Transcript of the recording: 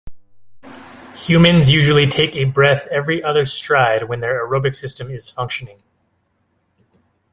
Humans usually take a breath every other stride when their aerobic system is functioning.